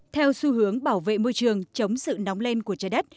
theo xu hướng bảo vệ môi trường chống sự nóng lên của trái đất